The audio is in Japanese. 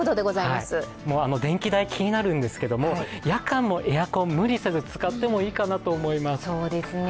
電気代気になるんですけども、夜間もエアコン無理せず使ってもいいかなと思います。